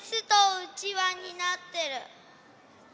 うちわになってる。